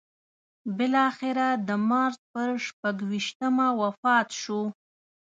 بالاخره د مارچ پر شپږویشتمه وفات شو.